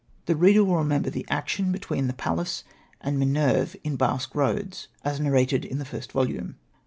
The reader will remember the action between the Pallas and Minerve in Basque Eoads, as narrated in the first volume.